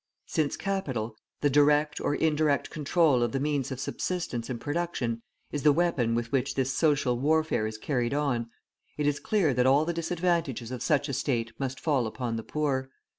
Since capital, the direct or indirect control of the means of subsistence and production, is the weapon with which this social warfare is carried on, it is clear that all the disadvantages of such a state must fall upon the poor.